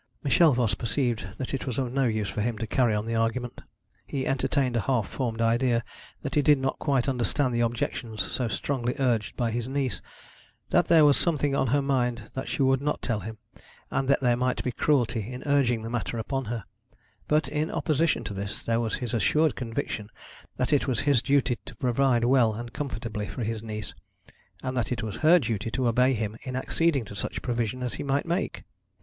Michel Voss perceived that it was of no use for him to carry on the argument. He entertained a half formed idea that he did not quite understand the objections so strongly urged by his niece; that there was something on her mind that she would not tell him, and that there might be cruelty in urging the matter upon her; but, in opposition to this, there was his assured conviction that it was his duty to provide well and comfortably for his niece, and that it was her duty to obey him in acceding to such provision as he might make.